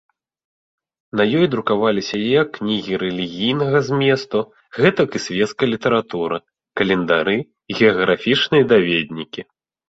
На ёй друкаваліся як кнігі рэлігійнага зместу, гэтак і свецкая літаратура, календары, геаграфічныя даведнікі.